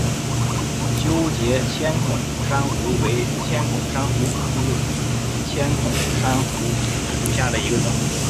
纠结千孔珊瑚为千孔珊瑚科千孔珊瑚属下的一个种。